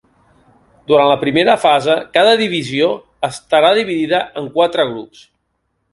Durant la primera fase, cada divisió estarà dividida en quatre grups.